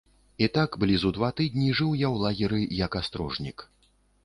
І так блізу два тыдні жыў я ў лагеры, як астрожнік.